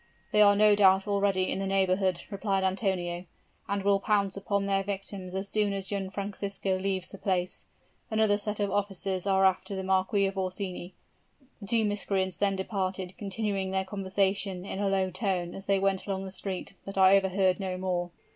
'They are no doubt already in the neighborhood,' replied Antonio, 'and will pounce upon their victims as soon as young Francisco leaves the place. Another set of officers are after the Marquis of Orsini.' The two miscreants then departed, continuing their conversation in a low tone as they went along the street, but I overheard no more."